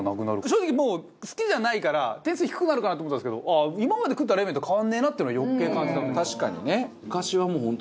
正直もう好きじゃないから点数低くなるかなと思ったんですけど今まで食った冷麺と変わんねえなっていうのは余計感じた。